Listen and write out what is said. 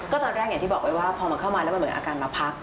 ตอนแรกอย่างที่บอกไว้ว่าพอมันเข้ามาแล้วมันเหมือนอาการมาพัก